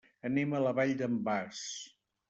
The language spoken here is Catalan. Anem a la Vall d'en Bas.